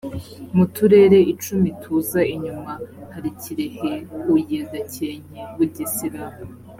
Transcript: mu turere icumi tuza inyuma hari kirehe huye gakenke bugesera